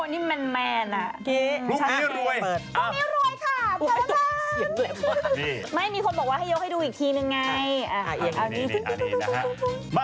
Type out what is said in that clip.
พี่เวียนเป็นคนที่แมนอะ